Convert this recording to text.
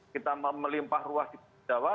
kita melimpah ruas di jawa